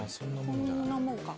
こんなもんか。